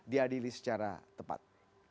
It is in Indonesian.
diadili secara tepat